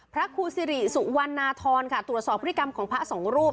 พระครูสิริสุวรรณธรค่ะตรวจสอบพฤติกรรมของพระสองรูป